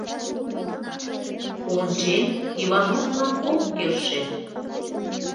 Ончем, Ивановлан ок келше.